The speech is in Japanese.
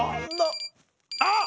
あっ！